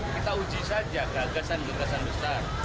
kita uji saja gagasan gagasan besar